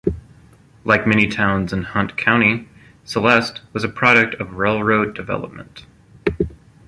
Like many towns in Hunt County, Celeste was a product of railroad development.